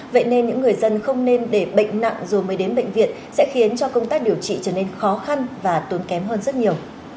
vậy nên những người dân không nên để bệnh nặng rồi mới đến bệnh viện sẽ khiến cho công tác điều trị trở nên khó khăn và tốn kém hơn rất nhiều